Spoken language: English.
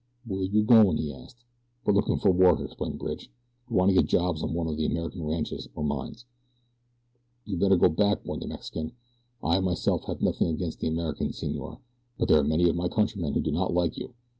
"Where you going?" he asked. "We're looking for work," explained Bridge. "We want to get jobs on one of the American ranches or mines." "You better go back," warned the Mexican. "I, myself, have nothing against the Americans, senor; but there are many of my countrymen who do not like you.